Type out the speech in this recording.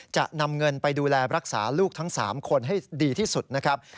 จะนำเงินไปดูแลรักษาลูกทั้ง๓คนให้ดีที่สุดนะครับ